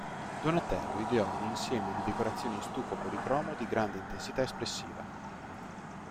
Donatello ideò un insieme di decorazioni in stucco policromo di grande intensità espressiva.